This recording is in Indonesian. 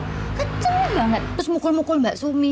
waktu itu kamu langsung cubit mbak sumi loh